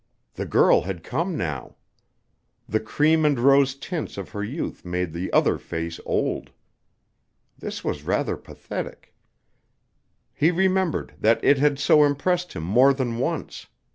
The girl had come now! The cream and rose tints of her youth made the other face old. This was rather pathetic. He remembered that it had so impressed him more than once.